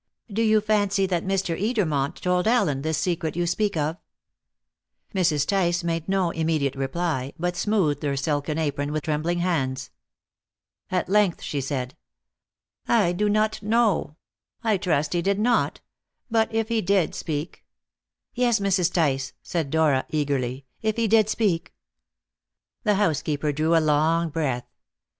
"Do you fancy that Mr. Edermont told Allen this secret you speak of?" Mrs. Tice made no immediate reply, but smoothed her silken apron with trembling hands. At length she said: "I do not know. I trust he did not. But if he did speak " "Yes, Mrs. Tice," said Dora eagerly, "if he did speak?" The housekeeper drew a long breath.